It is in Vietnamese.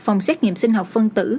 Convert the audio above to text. phòng xét nghiệm sinh học phân tử